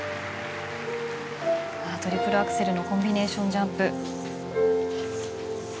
トリプルアクセルのコンビネーションジャンプ。